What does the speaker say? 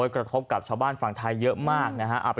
กระทบกับชาวบ้านฝั่งไทยเยอะมากนะฮะ